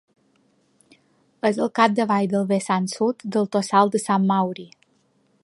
És al capdavall del vessant sud del Tossal de Sant Mauri.